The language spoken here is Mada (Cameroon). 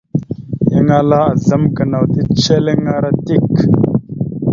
Yan ala azlam gənaw ticeliŋalara dik.